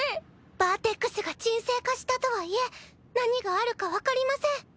バーテックスが沈静化したとはいえ何があるか分かりません。